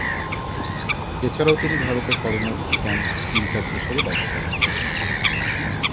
এছাড়াও তিনি ভারতে শরণার্থী ক্যাম্প ইনচার্জ হিসেবে দায়িত্ব পালন করেন।